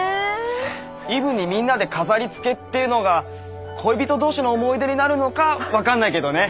イブにみんなで飾りつけっていうのが恋人同士の思い出になるのか分かんないけどね。